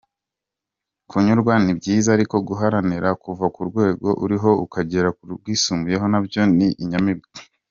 Kunyurwa ni byiza ariko guharanira kuva ku rwego uriho ukagera kurwisumbuyeho nabyo ni inyamibwa.